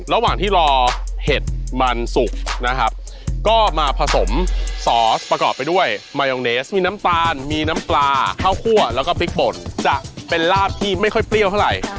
ระหว่างที่รอเห็ดมันสุกนะครับก็มาผสมซอสประกอบไปด้วยมายองเนสมีน้ำตาลมีน้ำปลาข้าวคั่วแล้วก็พริกป่นจะเป็นลาบที่ไม่ค่อยเปรี้ยวเท่าไหร่